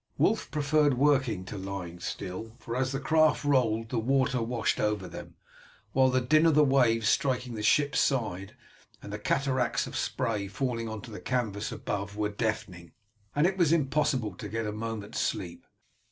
Wulf preferred working to lying still, for as the craft rolled the water washed over them, while the din of the waves striking the ship's side, and the cataracts of spray falling on to the canvas above were deafening, and it was impossible to get a moment's sleep.